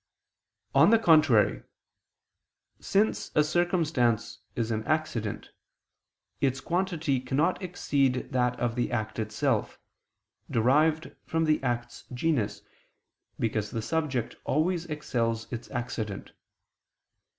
On the contrary, Since a circumstance is an accident, its quantity cannot exceed that of the act itself, derived from the act's genus, because the subject always excels its accident.